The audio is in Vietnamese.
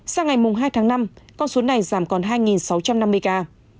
sang ngày hai tháng năm con số này giảm còn hai sáu trăm năm mươi ca